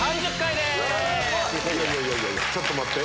いやいやちょっと待って。